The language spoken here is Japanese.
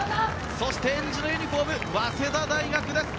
そして、えんじのユニホーム早稲田大学です。